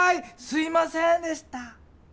すいませんでした！